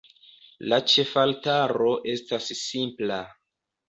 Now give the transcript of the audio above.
La ĉefaltaro estas simpla.